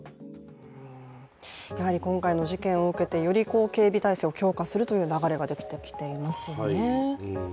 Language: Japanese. やはり今回の事件を受けてより警備体制を強化するという流れができていますね。